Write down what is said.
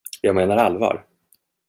Jag menar allvar.